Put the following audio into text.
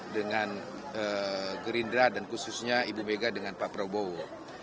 dengan gerindra dan khususnya ibu mega dengan pak prabowo